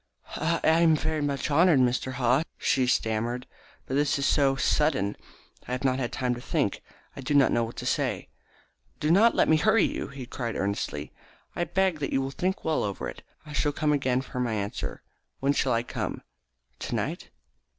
"I am very much honoured, Mr. Haw," she stammered, "but this is so sudden. I have not had time to think. I do not know what to say." "Do not let me hurry you," he cried earnestly. "I beg that you will think well over it. I shall come again for my answer. When shall I come? Tonight?"